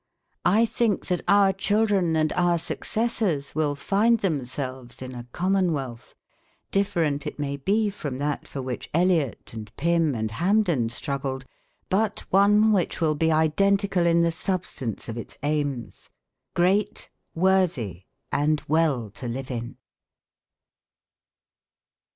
I think that our children and our successors will find themselves in a commonwealth, different it may be from that for which Eliott, and Pym, and Hampden struggled, but one which will be identical in the substance of its aims great, worthy, and well to live in.